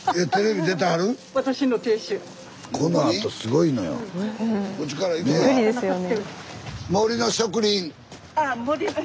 びっくりですよね。